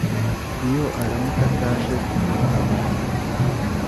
iyo aramuka ataje gumutabara